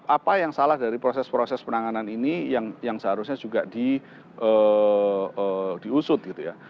apa yang salah dari proses proses penanganan ini yang seharusnya juga diusut gitu ya